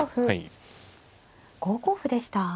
５五歩でした。